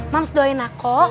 mams doain aku